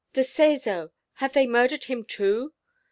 De Seso! Have they murdered him too!"